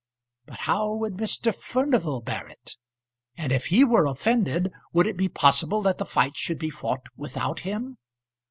But how would Mr. Furnival bear it, and if he were offended would it be possible that the fight should be fought without him?